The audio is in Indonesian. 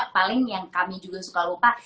paling yang kami juga suka lupa